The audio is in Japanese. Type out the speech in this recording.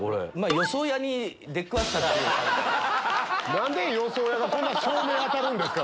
何で予想屋がそんな照明当たるんですか？